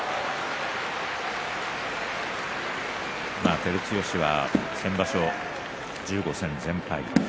照強は先場所１５戦全敗。